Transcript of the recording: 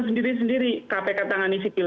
sendiri sendiri kpk tangani sipil